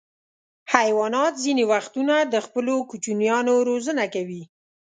حیوانات ځینې وختونه د خپلو کوچنیانو روزنه کوي.